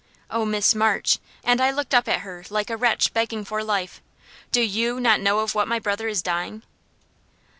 Oh, Miss March!" and I looked up at her like a wretch begging for life "Do YOU not know of what my brother is dying?"